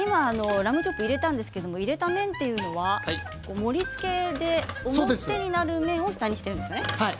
ラムチョップを入れましたけど入れた面というのは盛りつけになる面を下にしているんですね。